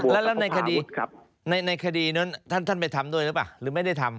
แล้วในคดีในคดีนั้นท่านไปทำด้วยหรือเปล่าหรือไม่ได้ทำ